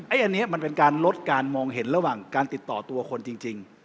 อันนี้มันเป็นการลดการมองเห็นระหว่างการติดต่อตัวคนจริง